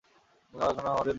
Tower এখন আমাদের দখলে।